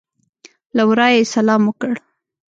له ورایه یې سلام وکړ.